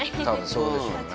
多分そうでしょうね